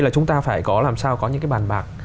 là chúng ta phải có làm sao có những cái bàn bạc